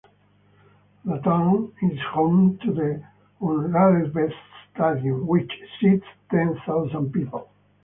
The town is home to the "Uralasbest" stadium, which seats ten thousand people.